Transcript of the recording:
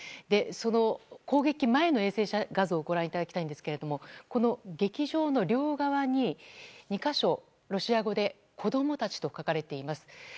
その攻撃前の衛星画像をご覧いただきたいんですけれども劇場の両側に２か所ロシア語で「子供たち」と書かれています。